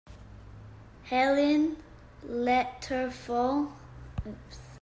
Helene let her fall.